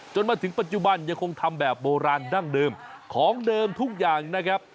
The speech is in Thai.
จนถึงปัจจุบันยังคงทำแบบโบราณดั้งเดิมของเดิมทุกอย่างนะครับ